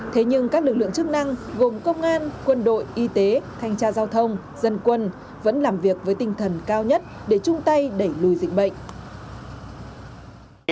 thế nhưng các lực lượng chức năng gồm công an quân đội y tế thanh tra giao thông dân quân vẫn làm việc với tinh thần cao nhất để chung tay đẩy lùi dịch bệnh